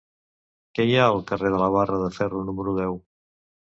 Què hi ha al carrer de la Barra de Ferro número deu?